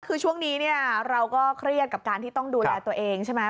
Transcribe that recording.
คือช่วงนี้เนี่ยเราก็เครียดกับการที่ต้องดูแลตัวเองใช่ไหม